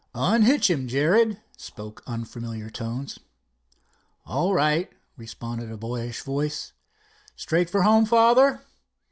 "Unhitch him, Jared," spoke unfamiliar tones. "All right," responded a boyish voice. "Straight for home, father?"